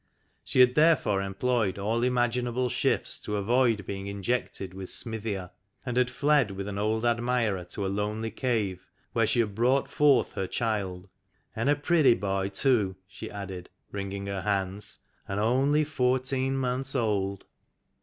She had therefore employed all imaginable shifts to avoid 15 16 THE LAST GENERATION being injected with Smithia, and had fled with an old admirer to a lonely cave, where she had brought forth her child. " And a pretty boy too," she added, wring ing her hands, " and only fourteen months old."